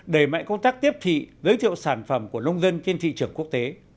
đẩy mạnh công tác tiếp thị giới thiệu sản phẩm của nông dân trên thị trường quốc tế